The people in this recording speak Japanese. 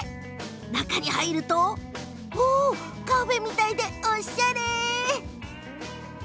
中に入ってみるとカフェみたいでおしゃれ。